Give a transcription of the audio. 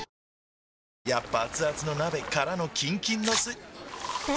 やっぱアツアツの鍋からのキンキンのスん？